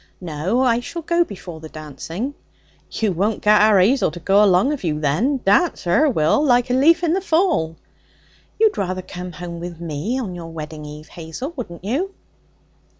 'No. I shall go before the dancing.' 'You won't get our 'Azel to go along of you, then. Dance her will, like a leaf in the fall.' 'You'd rather come home with me on your wedding eve, Hazel, wouldn't you?'